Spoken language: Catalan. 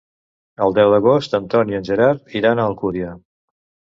El deu d'agost en Tom i en Gerard iran a Alcúdia.